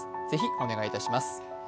ぜひお願いいたします。